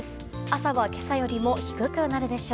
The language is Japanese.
朝は今朝よりも低くなるでしょう。